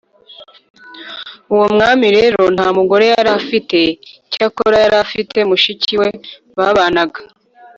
uwo mwami rero nta mugore yari afite, cyakora yari afite mushiki we babanaga.